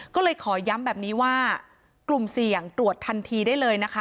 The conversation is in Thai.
ก็เลยขอย้ำแบบนี้ว่ากลุ่มเสี่ยงตรวจทันทีได้เลยนะคะ